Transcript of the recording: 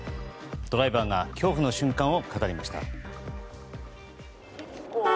ドライバーが恐怖の瞬間を語りました。